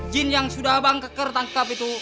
jin yang sudah bank keker tangkap itu